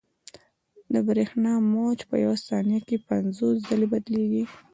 د برېښنا موج په یوه ثانیه کې پنځوس ځلې بدلېږي.